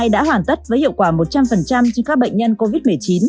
đã hoàn tất với hiệu quả một trăm linh trên các bệnh nhân covid một mươi chín